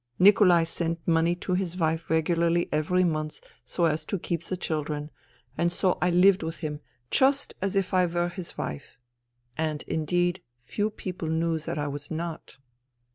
Nikolai sent money to his wife regularly every month, so as to keep the children ; and so I lived with him just as if I 30 FUTILITY were his wife, and indeed few people knew that I was not.